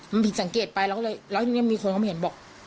มันผิดสังเกตไปเราก็เลยแล้วทีนี้มีคนเขามาเห็นบอก